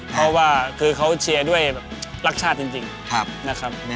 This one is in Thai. เพราะว่าเขาเชียร์ด้วยรักชาติจริง